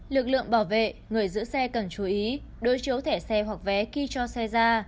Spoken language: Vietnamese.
lực lượng bảo vệ người giữ xe cần chú ý đối chiếu thẻ xe hoặc vé khi cho xe ra